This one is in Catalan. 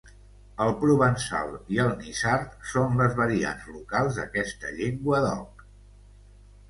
El provençal i el niçard són les variants locals d'aquesta llengua d'Oc.